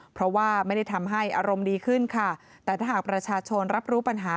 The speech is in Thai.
เพราะว่าไม่ได้ทำให้อารมณ์ดีขึ้นค่ะแต่ถ้าหากประชาชนรับรู้ปัญหา